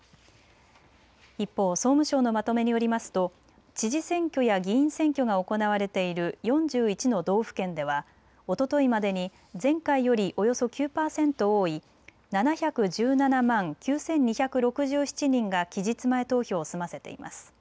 一方、総務省のまとめによりますと知事選挙や議員選挙が行われている４１の道府県ではおとといまでに前回よりおよそ９％多い７１７万９２６７人が期日前投票を済ませています。